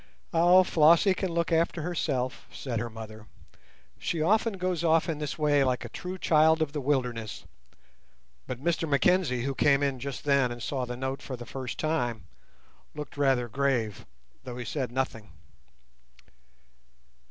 "Ah, Flossie can look after herself," said her mother; "she often goes off in this way like a true child of the wilderness." But Mr Mackenzie, who came in just then and saw the note for the first time, looked rather grave, though he said nothing.